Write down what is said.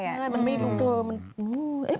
ใช่มันไม่ดูเดิม